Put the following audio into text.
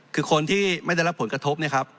คือคนที่ไม่ได้รับผลกระทบเนี่ยครับ